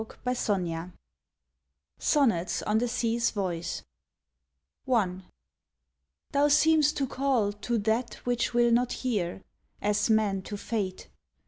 39 SONNETS ON THE SEA'S VOICE Thou seem'st to call to that which will not hear, As man to Fate.